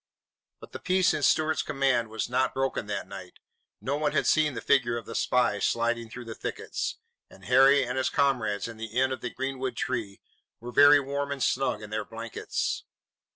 But the peace in Stuart's command was not broken that night. No one had seen the figure of the spy sliding through the thickets, and Harry and his comrades in the Inn of the Greenwood Tree were very warm and snug in their blankets.